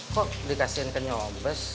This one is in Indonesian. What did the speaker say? kok dikasih ke nyobes